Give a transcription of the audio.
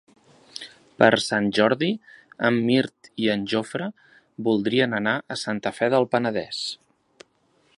Per Sant Jordi en Mirt i en Jofre voldrien anar a Santa Fe del Penedès.